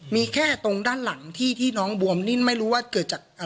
มีแค่ตรงด้านหลังที่ที่น้องบวมนิ่นไม่รู้ว่าเกิดจากอ่า